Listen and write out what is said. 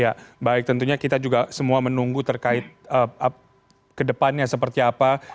ya baik tentunya kita juga semua menunggu terkait kedepannya seperti apa